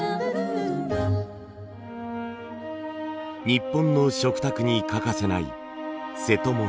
日本の食卓に欠かせない瀬戸物。